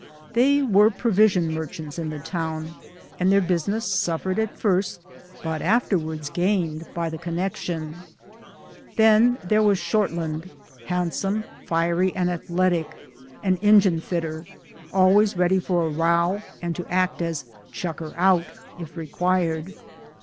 They were provision merchants in the town ; and their business suffered at first, but afterwards gained, by the connection. Then there was Shortland, handsome, fiery and athletic, an engine fitter, always ready for a row and to act as * chucker out ' if required.